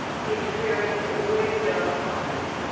" Interference always does harm."